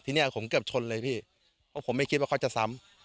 ทีนี้ผมเกือบชนเลยพี่เพราะผมไม่คิดว่าเขาจะซ้ำ